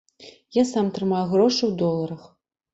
Я сам трымаю грошы ў доларах.